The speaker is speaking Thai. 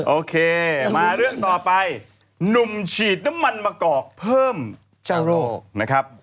โอเคมาเรื่องต่อไปหนุ่มฉีดน้ำมันมะกอกเพิ่มเจ้าโรคนะครับ